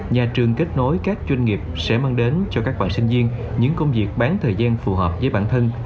nhà trường kết nối các doanh nghiệp sẽ mang đến cho các bạn sinh viên những công việc bán thời gian phù hợp với bản thân